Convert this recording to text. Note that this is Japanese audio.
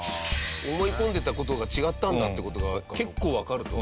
思い込んでた事が違ったんだって事が結構わかると。